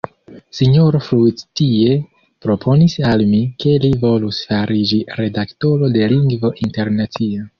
Sinjoro Fruictier proponis al mi, ke li volus fariĝi redaktoro de "Lingvo Internacia".